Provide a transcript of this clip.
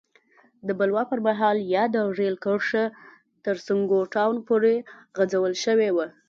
د بلوا پر مهال یاده رېل کرښه تر سونګو ټاون پورې غځول شوې وه.